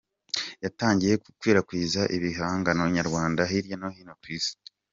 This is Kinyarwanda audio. yatangiye gukwirakwiza ibihangano nyarwanda hirya no hino kw’ isi